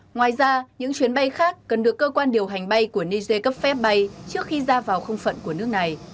ngoài ra những chuyến bay khác cần được cơ quan điều hành bay của niger cấp phép bay trước khi ra vào không phận của nước này